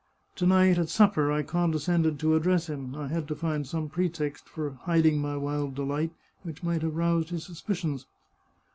To night, at sup per, I condescended to address him — I had to find some pretext for hiding my wild delight, which might have roused his suspicions.